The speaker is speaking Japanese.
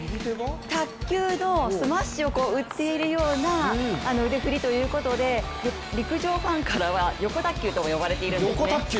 卓球のスマッシュを打っているような腕振りということで、陸上ファンからは「よこたっきゅう」と呼ばれているんですね。